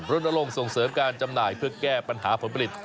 ลงส่งเสริมการจำหน่ายเพื่อแก้ปัญหาผลผลิต